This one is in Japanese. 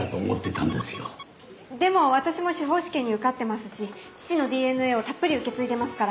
でも私も司法試験に受かってますし父のＤＮＡをたっぷり受け継いでますから。